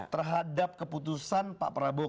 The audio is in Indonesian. terhadap keputusan pak prabowo